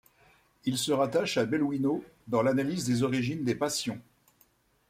Il se rattache à Belouino, dans l'analyse des origines des passions.